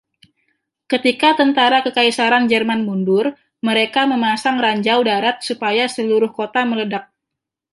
Ketika Tentara Kekaisaran Jerman mundur, mereka memasang ranjau darat supaya seluruh kota meledak.